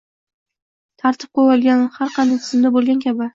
Tartib qo’yolgan har qanday tizimda bo’lgani kabi